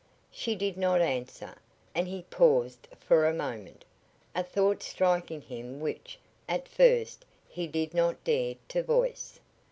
She did not answer, and he paused for a moment, a thought striking him which at first he did not dare to voice.